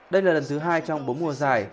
đây là lần thứ hai trong bốn mùa giải